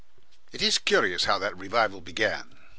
It is curious how that revival began.